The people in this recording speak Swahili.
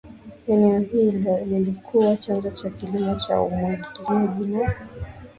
Eneo hilo ilikuwa chanzo cha kilimo cha umwagiliaji na